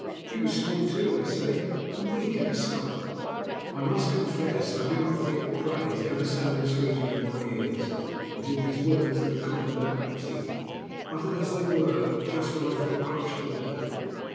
He was small, too, they say, and weak in the stomach." I must confess I do not think that praise ever sounded sweeter in my ears than did these words of the Commandant Retief, uttered as they were just when I felt crushed to the dirt.